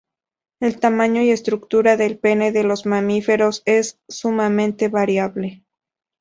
El tamaño y estructura del pene de los mamíferos es sumamente variable.